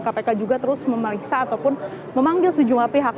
kpk juga terus memeriksa ataupun memanggil sejumlah pihak